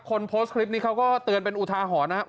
คนโพสต์คลิปนี้เขาก็เตือนเป็นอุทาหรณ์นะครับ